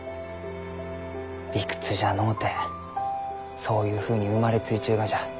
理屈じゃのうてそういうふうに生まれついちゅうがじゃ。